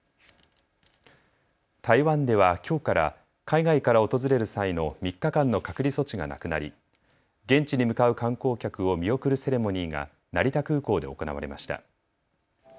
台湾ではきょうから海外から訪れる際の３日間の隔離措置がなくなり現地に向かう観光客を見送るセレモニーが成田空港で行われました。